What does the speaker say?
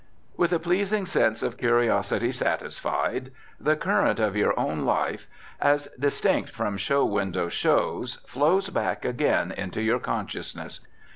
With a pleasing sense of curiosity satisfied, the current of your own life as distinct from show window shows flows back again into your consciousness.